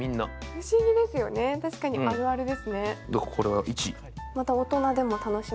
不思議ですよね、確かにあるあるですよね。